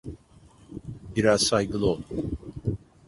Biraz saygılı ol.